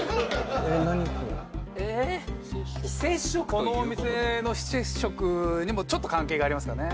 このお店の非接触にもちょっと関係がありますかね。